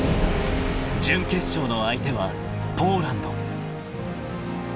［準決勝の相手はポーランド］